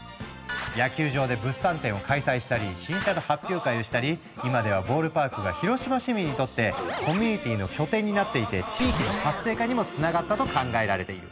野球場で物産展を開催したり新車の発表会をしたり今ではボールパークが広島市民にとってコミュニティーの拠点になっていて地域の活性化にもつながったと考えられている。